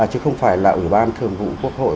chứ không phải là ủy ban thường vụ quốc hội